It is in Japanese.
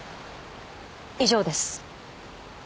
以上です。